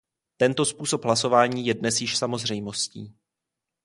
Tento způsob hlasování je dnes již samozřejmostí.